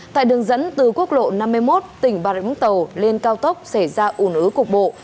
tại đường dẫn từ quốc lộ năm mươi một tỉnh bà rịa vũng tàu lên cao tốc xảy ra ủn ứ cục bộ